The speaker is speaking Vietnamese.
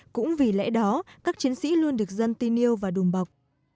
cũng vì lẽ đó các chiến sĩ luôn được dân tin yêu và đùm bọc